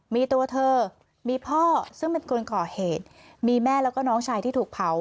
มีตัวเธอมีพ่อซึ่งเป็นคนก่อเหตุมีแม่แล้วก็น้องชายที่ถูกเผา